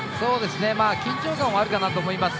緊張感はあるかなと思います。